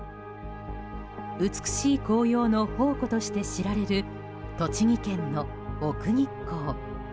美しい紅葉の宝庫として知られる栃木県の奥日光。